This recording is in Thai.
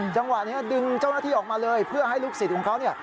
จังหวะนี้ดึงเจ้าหน้าที่ออกมาเลยเพื่อให้ลูกศิษย์ของเขาเนี่ย